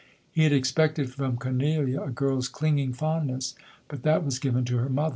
He had expected from Cornelia a girl's clinging fondness, but that was given to her mother; vol.